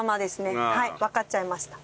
はいわかっちゃいました。